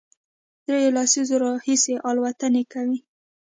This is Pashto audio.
درېیو لسیزو راهیسې الوتنې کوي،